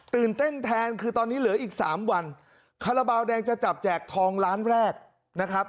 เต้นแทนคือตอนนี้เหลืออีกสามวันคาราบาลแดงจะจับแจกทองล้านแรกนะครับ